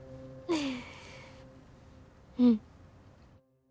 うん。